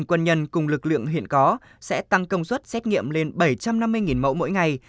quân nhân cùng lực lượng hiện có sẽ tăng công suất xét nghiệm lên bảy trăm năm mươi mẫu mỗi ngày